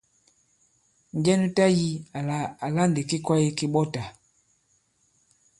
Njɛ nu tayī àlà àla ndì ki kwāye ki ɓɔtà?